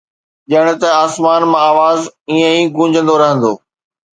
ڄڻ ته آسمان مان آواز ائين ئي گونجندو رهندو.